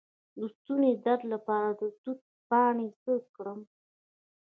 د ستوني درد لپاره د توت پاڼې څه کړم؟